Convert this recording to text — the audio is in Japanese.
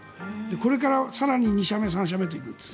これから更に２社目、３社目と行くんです。